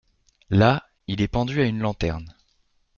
Là, il est pendu à une lanterne.